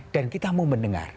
dan kita mau mendengar